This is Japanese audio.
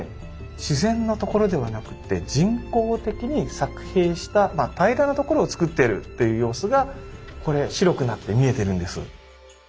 自然のところではなくてまあ平らなところをつくってるっていう様子がこれ白くなって見えてるんです。